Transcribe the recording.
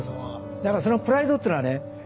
だからそのプライドっていうのはね